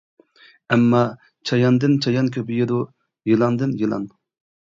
ئەمما چاياندىن چايان كۆپىيىدۇ، يىلاندىن يىلان.